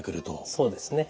そうですね。